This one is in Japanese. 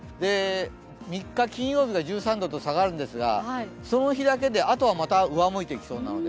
３日金曜日が１３度と下がるんですがその日だけで、あとはまた上向いていきそうなので。